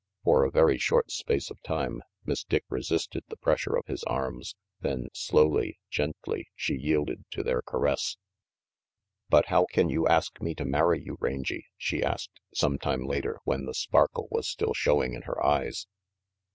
For a very short space of time, Miss Dick resisted the pressure of his arms, then slowly, gently, she yielded to their caress. "But how can you ask me to marry you, Rangy?" she asked, some tune later, while the sparkle was still showing in her eyes.